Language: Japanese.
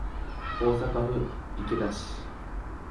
大阪府池田市